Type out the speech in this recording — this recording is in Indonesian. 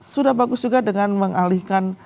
sudah bagus juga dengan mengalihkan